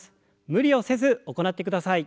無理をせず行ってください。